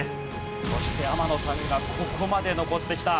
そして天野さんがここまで残ってきた。